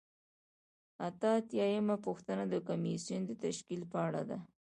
اته اتیا یمه پوښتنه د کمیسیون د تشکیل په اړه ده.